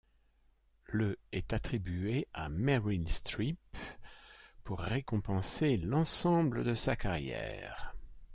Le est attribué à Meryl Streep pour récompenser l'ensemble de sa carrière.